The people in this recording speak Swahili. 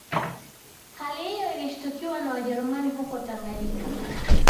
Hali hiyo ilishtukiwa na Wajerumani huko Tanganyika